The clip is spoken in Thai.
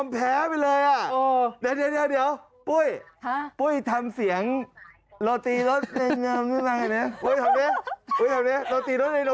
พี่เอารถอะไรดีค่ะมีหลายรถเลยค่ะ